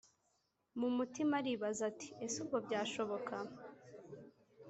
m’umutima aribaza ati"ese ubwo byashoboka